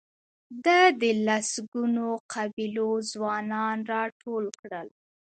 ده د لسګونو قبیلو ځوانان راټول کړل.